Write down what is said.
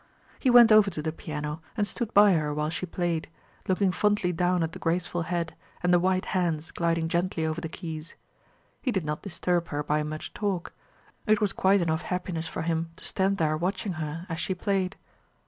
He went over to the piano and stood by her while she played, looking fondly down at the graceful head, and the white hands gliding gently over the keys. He did not disturb her by much talk: it was quite enough happiness for him to stand there watching her as she played.